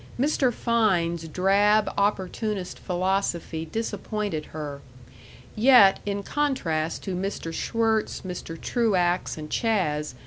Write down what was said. Mr. Fein's drab opportunist philosophy disappointed her. Yet, in contrast to Mr. Schwirtz, Mr. Truax, and Chas.